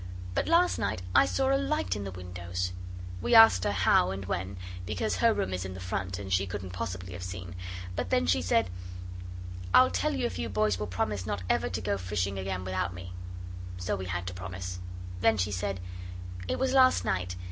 But last night I saw a light in the windows.' We asked her how and when, because her room is in the front, and she couldn't possibly have seen. And then she said 'I'll tell you if you boys will promise not ever to go fishing again without me.' So we had to promise. Then she said 'It was last night.